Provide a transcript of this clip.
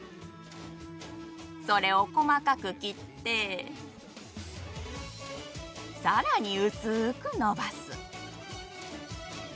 それを細かく切ってさらに薄く伸ばす。